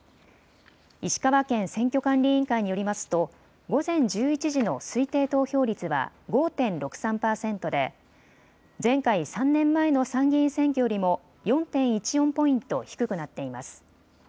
石川県選挙管理委員会によりますと午前１１時の推定投票率は５．６３％で前回３年前の参議院選挙よりも４．１４ポイント低くなっています。